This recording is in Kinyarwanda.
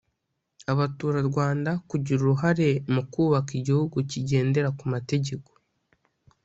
abaturarwanda kugira uruhare mu kubaka igihugu kigendera ku mategeko